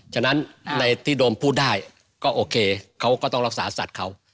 ฉะนั้นในที่โดมพูดได้ก็โอเคเขาก็ต้องรักษาสัตว์เขา